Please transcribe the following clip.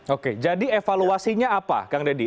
oke jadi evaluasinya apa kang deddy